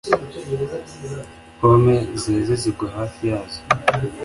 pome zeze zigwa hafi yazo